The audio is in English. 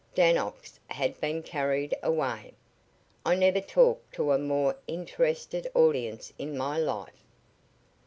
Dannox had been carried away. I never talked to a more interested audience in my life!